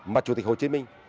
mà chủ tịch hồ chí minh